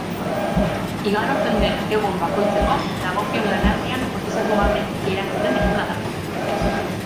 Igarotzen den egun bakoitzeko, dagokion lanaldian kotizatu gabe geratu den eguna da.